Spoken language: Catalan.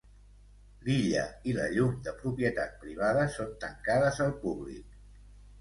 L'illa i la llum de propietat privada són tancades al públic.